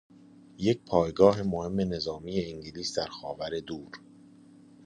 یک پایگاه مهم نظامی انگلیس در خاور دور